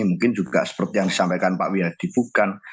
mungkin juga seperti yang disampaikan pak wiyadi bukan